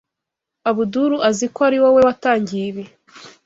Abdul azi ko ari wowe watangiye ibi.